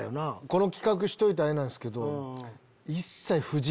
この企画しといてあれなんすけど。